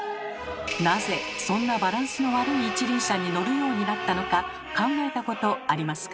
なぜそんなバランスの悪い一輪車に乗るようになったのか考えたことありますか？